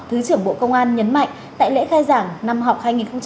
thứ trưởng bộ công an nhấn mạnh tại lễ khai giảng năm học hai nghìn hai mươi hai nghìn hai mươi